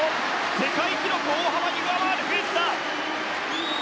世界記録を上回るペースだ。